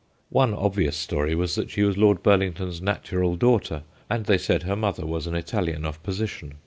One obvious story was that she was Lord Burlington's natural daughter, and they said her mother was an Italian of position.